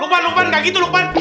lukman lukman gak gitu lukman